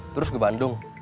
terus ke bandung